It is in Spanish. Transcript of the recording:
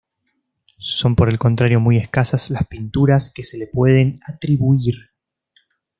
Son por el contrario muy escasas las pinturas que se le pueden atribuir.